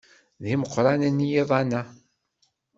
D imeqranen yiḍan-a.